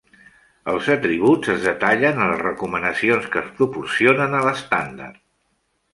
Els atributs es detallen en les recomanacions que es proporcionen a l'estàndard.